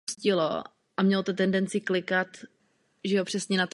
Stavební program této třídy tak byl završen.